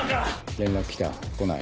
連絡来た？来ない？